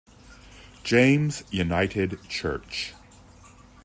James United Church.